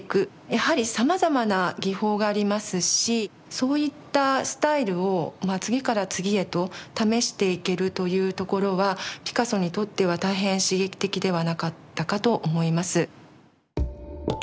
やはりさまざまな技法がありますしそういったスタイルを次から次へと試していけるというところはピカソにとっては大変刺激的ではなかったかと思います。